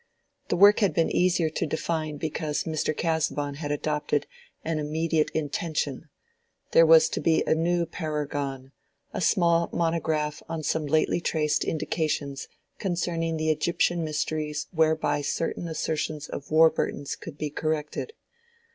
The work had been easier to define because Mr. Casaubon had adopted an immediate intention: there was to be a new Parergon, a small monograph on some lately traced indications concerning the Egyptian mysteries whereby certain assertions of Warburton's could be corrected.